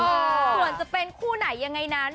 ส่วนจะเป็นคู่ไหนยังไงนั้น